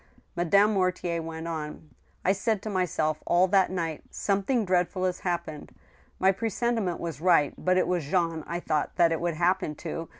Madame Mortier went on :" I said to myself all that night, ' Something dreadful has hap pened !* My presentiment was right, but it was Jean I thought that it would happen to.